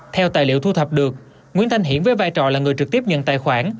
theo tài liệu thu thập được nguyễn thanh hiển với vai trò là người trực tiếp nhận tài khoản